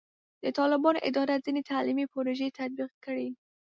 د طالبانو اداره ځینې تعلیمي پروژې تطبیق کړي.